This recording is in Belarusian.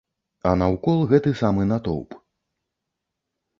А наўкол гэты самы натоўп.